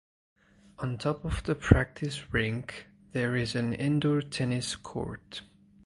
On top of the practice rink there is an indoor tennis court.